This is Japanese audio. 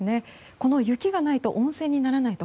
この雪がないと温泉にならないと。